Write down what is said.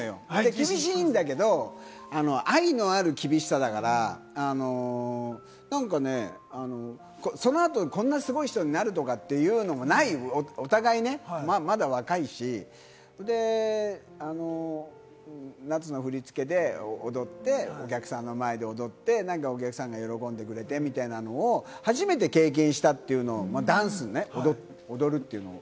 厳しいんだけれども、愛のある厳しさだから、その後、こんなすごい人になるとかっていうのもない、お互いね、まだ若いし、夏の振付で踊って、お客さんの前で踊って、なんかお客さんが喜んでくれてみたいなのを初めて経験したというのを、ダンスで踊って。